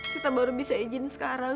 kita baru bisa izin sekarang